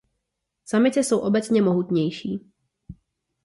Samice jsou obecně mohutnější.